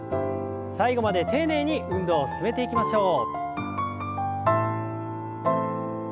最後まで丁寧に運動を進めていきましょう。